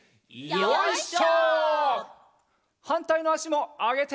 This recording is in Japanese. よいしょ！